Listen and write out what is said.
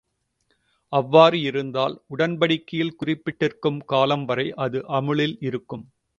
அவ்வாறு இருந்தால், உடன்படிக்கையில் குறிப்பிட்டிருக்கும் காலம் வரை அது அமுலில் இருக்கும்.